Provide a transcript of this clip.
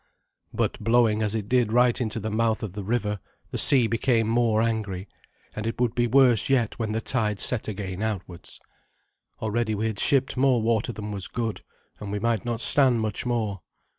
But, blowing as it did right into the mouth of the river, the sea became more angry, and it would be worse yet when the tide set again outwards. Already we had shipped more water than was good, and we might not stand much more.